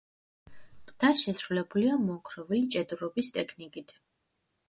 ყდა შესრულებულია მოოქროვილი ჭედურობის ტექნიკით.